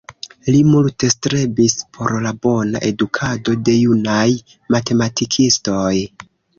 Li multe strebis por la bona edukado de junaj matematikistoj.